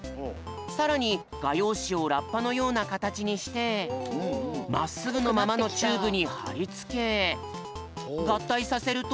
さらにがようしをラッパのようなかたちにしてまっすぐのままのチューブにはりつけがったいさせると。